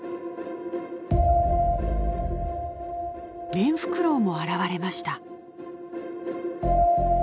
メンフクロウも現れました。